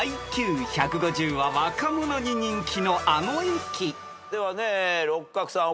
［ＩＱ１５０は若者に人気のあの駅］では六角さん